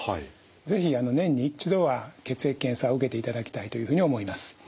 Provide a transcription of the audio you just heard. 是非年に一度は血液検査を受けていただきたいというふうに思います。